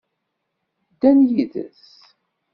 Ddan yid-s.